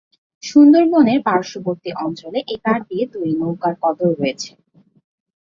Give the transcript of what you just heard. সুন্দরবনের পার্শ্ববর্তী অঞ্চলে এ কাঠ দিয়ে তৈরি নৌকার কদর রয়েছে।